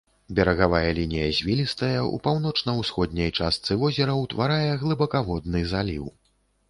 Берагавая лінія звілістая, у паўночна-ўсходняй частцы возера ўтварае глыбакаводны заліў.